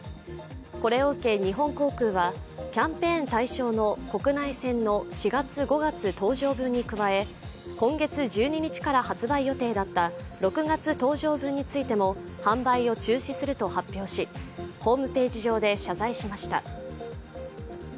これを受け日本航空はキャンペーン対象の国内線の４月、５月搭乗分に加え今月１２日から発売予定だった６月搭乗分についても販売を中止すると発表し、ホームページ上で謝罪しました。